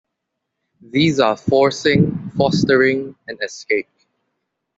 These are "forcing," "fostering," and "escape".